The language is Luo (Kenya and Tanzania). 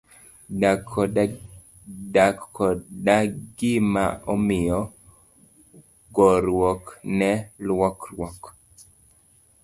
Dak koda gima omiyo, goruok ne lokruok.